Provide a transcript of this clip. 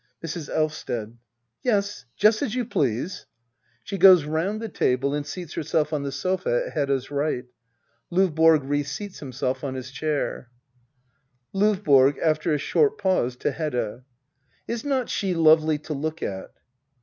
Mrs. Elvsted. Yes, just as you please. [She goes round the table atid seats herself on the sofa on Hedda's right. LQvboro re seats himself on his chair, Lovboro. [AJler a short pause, to Hedda.] Is not she lovely to look at